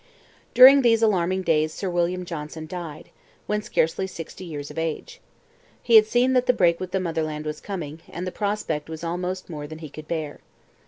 During these alarming days Sir William Johnson died, when scarcely sixty years of age. He had seen that the break with the motherland was coming, and the prospect was almost more than he could bear.